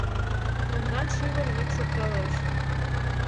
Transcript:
Мемнан шӱвыр йӱк шокталеш.